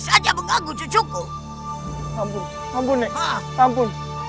di ujung mata crecuman